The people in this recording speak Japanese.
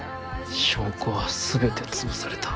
証拠はすべて潰された。